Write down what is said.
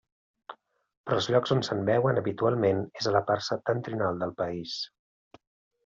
Però els llocs on se'n veuen habitualment és a la part septentrional del país.